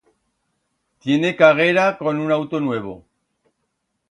Tiene caguera con un auto nuevo.